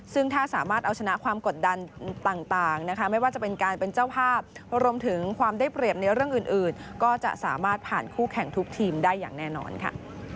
ซึ่งถ้าสามารถเอาชนะความกดดันต่างนะคะไม่ว่าจะเป็นการเป็นเจ้าภาพรวมถึงความได้เปรียบในเรื่องอื่นก็จะสามารถผ่านคู่แข่งทุกทีมได้อย่างแน่นอนค่ะ